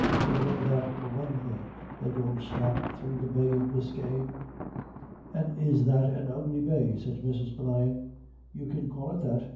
D'you know that, for one thing, they go slap through the Bay of Bisky?"' "And is that an ugly bay?" said Mrs. Brian. "You may call it that.